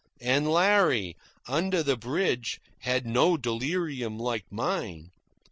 And Larry, under the bridge, had no delirium like mine.